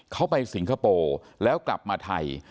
เขาไปสิงคโปร์แล้วกลับมาไทย